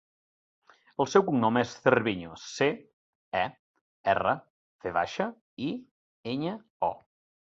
El seu cognom és Cerviño: ce, e, erra, ve baixa, i, enya, o.